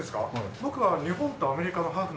僕は日本とアメリカのハーフなんです。